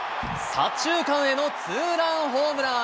左中間へのツーランホームラン。